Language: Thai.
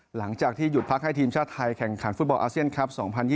หลังจากที่หยุดพักให้ทีมชาติไทยแข่งขันฟุตบอลอาเซียนครับ๒๐๒๐